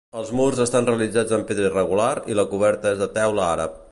Els murs estan realitzats en pedra irregular i la coberta és de teula àrab.